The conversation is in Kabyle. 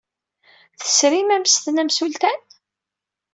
Tesrim ammesten amsultan?